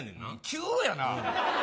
急やな。